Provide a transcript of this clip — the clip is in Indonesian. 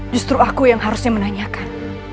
justru aku yang harusnya menanyakan